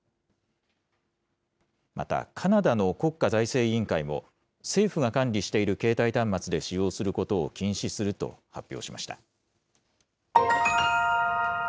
またカナダの国家財政委員会も、政府が管理している携帯端末で使用することを禁止すると発表しました。